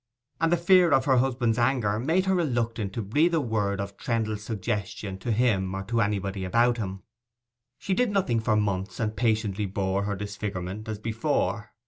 And the fear of her husband's anger made her reluctant to breathe a word of Trendle's suggestion to him or to anybody about him. She did nothing for months, and patiently bore her disfigurement as before.